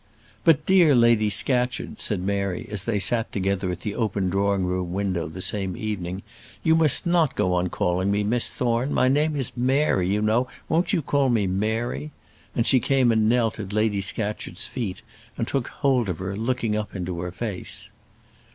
"But, dear Lady Scatcherd," said Mary, as they sat together at the open drawing room window the same evening, "you must not go on calling me Miss Thorne; my name is Mary, you know. Won't you call me Mary?" and she came and knelt at Lady Scatcherd's feet, and took hold of her, looking up into her face.